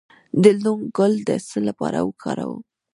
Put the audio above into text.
د لونګ ګل د څه لپاره وکاروم؟